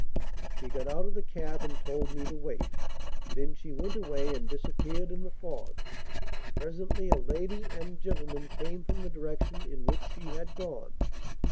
"'She got out of the cab and told me to wait. Then she went away and disappeared in the fog. Presently a lady and gentleman came from the direction in which she had gone.